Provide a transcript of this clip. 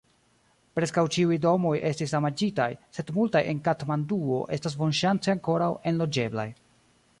Preskaŭ ĉiuj domoj estis damaĝitaj, sed multaj en Katmanduo estas bonŝance ankoraŭ enloĝeblaj.